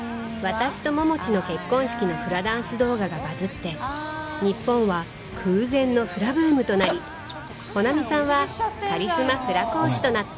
私と桃地の結婚式のフラダンス動画がバズって日本は空前のフラブームとなり帆奈美さんはカリスマフラ講師となった